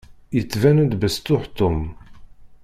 Yettban-d besṭuḥ Tom.